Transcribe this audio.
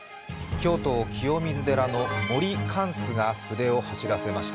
京都・清水寺の森貫主が筆を走らせました。